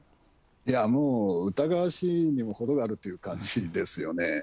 いや、もう疑わしいにもほどがあるという感じですよね。